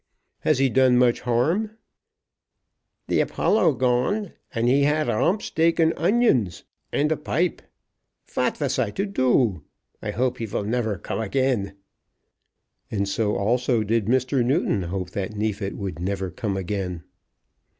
"Has he done much harm?" "The Apollo gone! and he had romp steak, and onions, and a pipe. Vat vas I to do? I hope he vill never come again." And so also did Mr. Newton hope that Neefit would never come again.